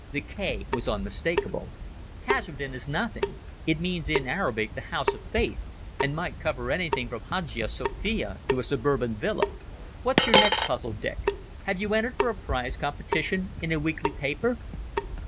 The "K" was unmistakable. "Kasredin is nothing. It means in Arabic the House of Faith, and might cover anything from Hagia Sofia to a suburban villa. What's your next puzzle, Dick? Have you entered for a prize competition in a weekly paper?"